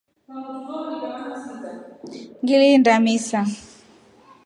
Ngilinda misa.